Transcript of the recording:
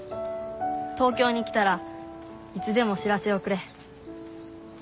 東京に来たらいつでも知らせをくれ。